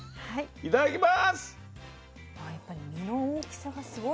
いただきます。